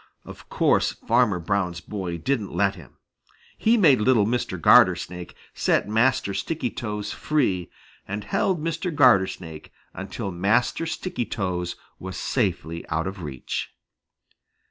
Of course Farmer Brown's Boy didn't let him. He made little Mr. Gartersnake set Master Stickytoes free and held Mr. Gartersnake until Master Stickytoes was safely out of reach.